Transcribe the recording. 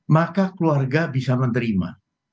maka keluarga bisa menerima